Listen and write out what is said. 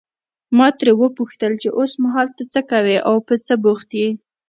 ما ترې وپوښتل چې اوسمهال ته څه کوې او په څه بوخت یې.